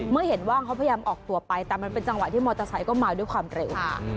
เมื่อเห็นว่างเขาพยายามออกตัวไปแต่มันเป็นจังหวะที่มอเตอร์ไซค์ก็มาด้วยความเร็ว